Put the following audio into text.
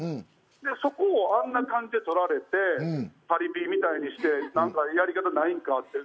そこをあんな感じで撮られてパリピみたいにして何か言われたくないんかと。